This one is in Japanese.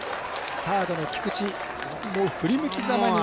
サードの菊地振り向きざまに。